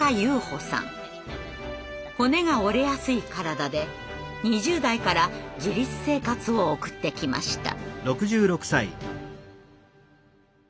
骨が折れやすい体で２０代から自立生活を送ってきました。